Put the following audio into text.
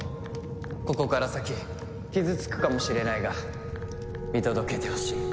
ここから先傷つくかもしれないが見届けてほしい。